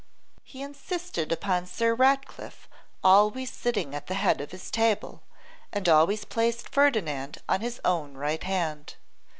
He insisted upon Sir Ratcliffe always sitting at the head of his table, and always placed Ferdinand on his own right hand.